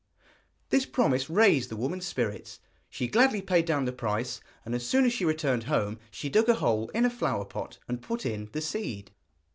This promise raised the woman's spirits. She gladly paid down the price, and as soon as she returned home she dug a hole in a flower pot and put in the seed.